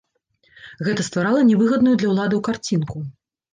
Гэта стварала нявыгадную для ўладаў карцінку.